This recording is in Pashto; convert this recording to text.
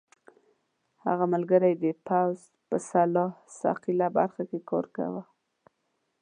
هغه ملګری یې د پوځ په سلاح ساقېله برخه کې کار کاوه.